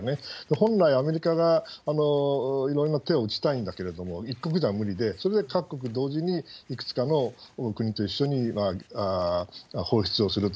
本来アメリカがいろいろな手を打ちたいんだけれども、一国じゃ無理で、それで各国同時にいくつかの国と一緒に放出をすると。